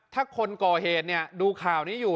ถ้าคนก่อเหตุเนี่ยดูข่าวนี้อยู่